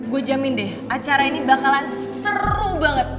gue jamin deh acara ini bakalan seru banget